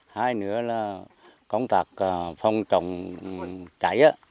hai nữa là công tác phòng chống cháy